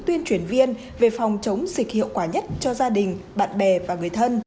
tuyên truyền viên về phòng chống dịch hiệu quả nhất cho gia đình bạn bè và người thân